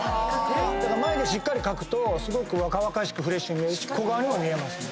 眉毛しっかり描くと若々しくフレッシュに見えるし小顔にも見えますね。